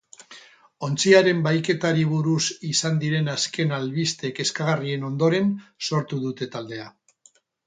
Ontziaren bahiketari buruz izan diren azken albiste kezkagarrien ondoren sortu dute taldea.